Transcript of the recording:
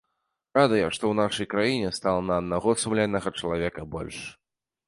Радыя, што ў нашай краіне стала на аднаго сумленнага чалавека больш.